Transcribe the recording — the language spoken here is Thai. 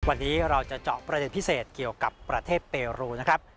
วันนี้เราจะเจาะประเด็นพิเศษเกี่ยวกับประเทศเปรูนะครับ